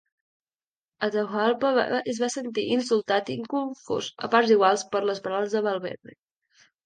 Atahualpa es va sentir insultat i confós a parts iguals per les paraules de Valverde.